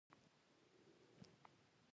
ازادي راډیو د هنر لپاره د چارواکو دریځ خپور کړی.